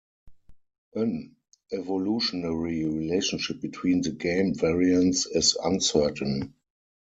An evolutionary relationship between the game variants is uncertain.